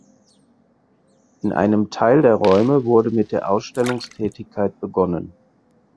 In einem Teil der Räume wurde mit der Ausstellungstätigkeit begonnen.